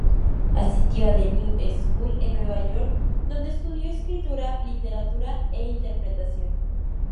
Asistió a The New School, en Nueva York, donde estudió escritura, literatura e interpretación.